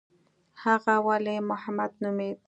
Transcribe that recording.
هغه ولي محمد نومېده.